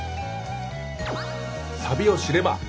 サビを知れば。